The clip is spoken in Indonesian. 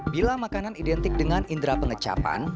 bila makanan identik dengan indera pengecapan